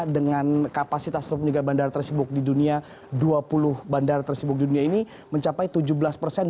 dengan kapasitas atau juga bandara tersibuk di dunia dua puluh bandara tersibuk di dunia ini mencapai tujuh belas persen